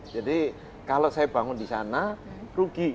jadi kalau saya bangun di sana rugi